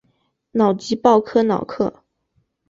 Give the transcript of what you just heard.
瑙吉鲍科瑙克。